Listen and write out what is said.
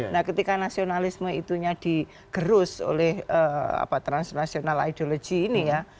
nah ketika nasionalisme itunya di gerus oleh transnational ideology ini ya